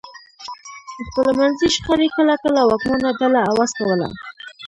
خپلمنځي شخړې کله کله واکمنه ډله عوض کوله.